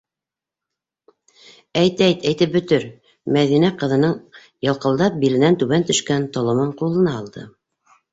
Әйт, әйт, әйтеп бөтөр, - Мәҙинә ҡыҙының йылҡылдап биленән түбән төшкән толомон ҡулына алды.